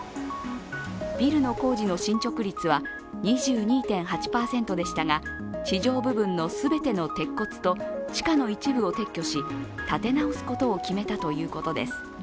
ビルの工事の進捗率は２２．８％でしたが、地上部分の全ての鉄骨と地下の一部を撤去し建て直すことを決めたということです。